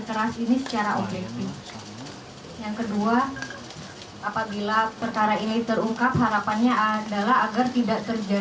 kami berharap kondisi novel ini akan menjadi kelas